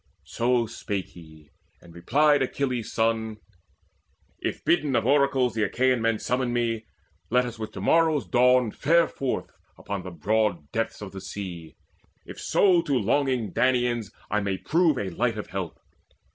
So spake he, and replied Achilles' son: "If bidden of oracles the Achaean men Summon me, let us with to morrow's dawn Fare forth upon the broad depths of the sea, If so to longing Danaans I may prove A light of help.